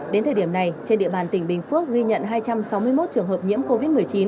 đến thời điểm này trên địa bàn tỉnh bình phước ghi nhận hai trăm sáu mươi một trường hợp nhiễm covid một mươi chín